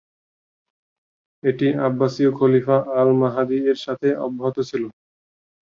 এটি আব্বাসীয় খলিফা আল-মাহদী এর সাথে অব্যাহত ছিল।